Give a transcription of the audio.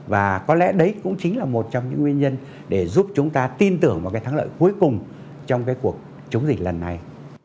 và có lẽ đấy cũng chính là một trong những nguyên nhân để giúp chúng ta tin tưởng vào cái thắng lợi cuối cùng trong cái cuộc chống dịch lần này